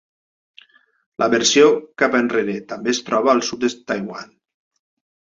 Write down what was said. La versió cap enrere també es troba al sud de Taiwan.